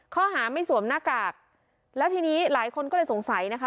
ข้อหาไม่สวมหน้ากากแล้วทีนี้หลายคนก็เลยสงสัยนะคะ